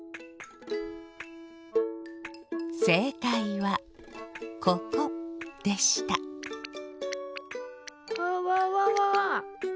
せいかいはここでしたワワワワワ。